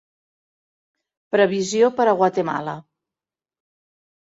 previsió per a Guatemala